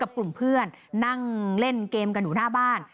กลุ่มเพื่อนนั่งเล่นเกมกันอยู่หน้าบ้าน